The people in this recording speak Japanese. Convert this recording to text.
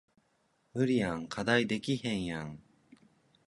無理やん課題できへんやん